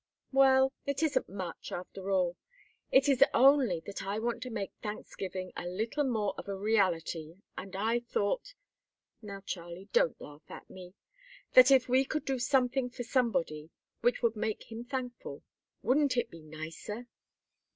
"Well, it isn't much, after all; it is only that I want to make Thanksgiving a little more of a reality, and I thought now, Charlie, don't laugh at me that if we could do something for somebody, which would make him thankful, wouldn't it be nicer."